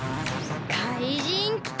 かいじんきた！